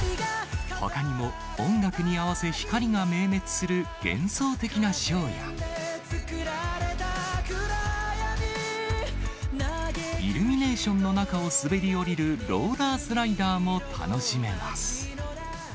ほかにも、音楽に合わせ、光が明滅する幻想的なシーンや、イルミネーションの中を滑り降りるローラースライダーも楽しめます。